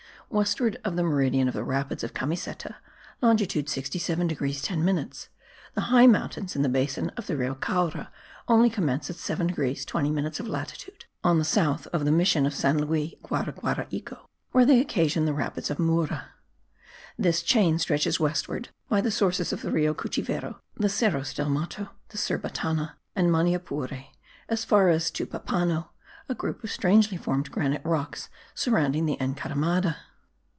Westward of the meridian of the rapids of Camiseta (longitude 67 degrees 10 minutes) the high mountains in the basin of the Rio Caura only commence at 7 degrees 20 minutes of latitude, on the south of the mission of San Luis Guaraguaraico, where they occasion the rapids of Mura. This chain stretches westward by the sources of the Rio Cuchivero, the Cerros del Mato, the Cerbatana and Maniapure, as far as Tepupano, a group of strangely formed granitic rocks surrounding the Encaramada.